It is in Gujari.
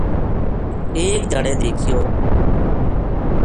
ایک دھیاڑے دیکھیو